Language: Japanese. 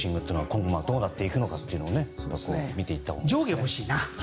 今後、どうなっていくのか見ていったほうがいいですね。